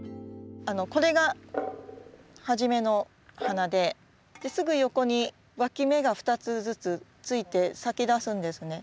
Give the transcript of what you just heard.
これが初めの花ですぐ横にわき芽が２つずつついて咲きだすんですね。